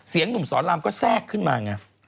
เสียงหนุ่มสอนรามก็แทรกขึ้นมา